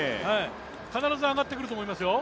必ず上がってくると思いますよ。